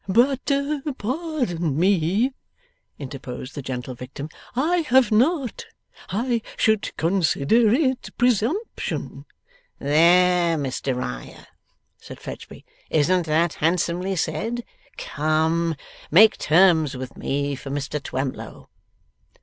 'But pardon me,' interposed the gentle victim, 'I have not. I should consider it presumption.' 'There, Mr Riah!' said Fledgeby, 'isn't that handsomely said? Come! Make terms with me for Mr Twemlow.